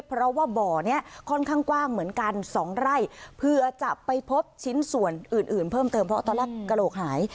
เพราะว่าบ่อนี้ค่อนข้างกว้างเหมือนกัน๒ไร่เผื่อจะไปพบชิ้นส่วนอื่นอื่นเพิ่มเติมเพราะตอนแรกกระโหลกหาย